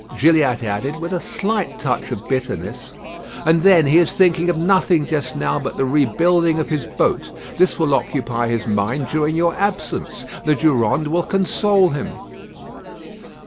Gilliatt added, with a slight touch of bitterness, "And then he is thinking of nothing just now but the rebuilding of his boat. This will occupy his mind during your absence. The Durande will console him."